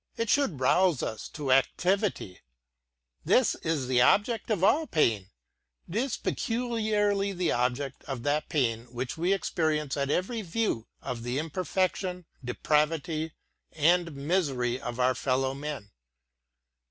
It should rouse us »bject of all pain; it is peculiarly the object of thai pain which we experience at every view of the imperfection, depravity, and misery of our fellow men.